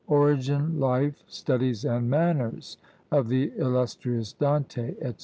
"Origin, Life, Studies and Manners, of the illustrious Dante," &c.